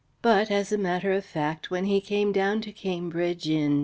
But as a matter of fact, when he came down to Cambridge in